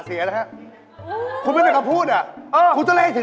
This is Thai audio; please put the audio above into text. เปิดกำลังโรมไหม